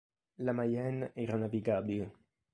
La Mayenne era navigabile.